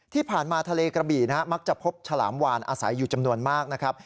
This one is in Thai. ที่ผ่านมาทะเลกระบี่นะฮะมักจะพบฉลามวานอาศัยอยู่จำนวนมากนะครับ